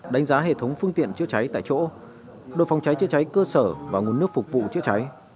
đánh giá hệ thống phương tiện chữa cháy tại chỗ đội phòng cháy chữa cháy cơ sở và nguồn nước phục vụ chữa cháy